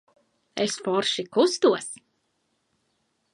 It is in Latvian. Es forši kustos.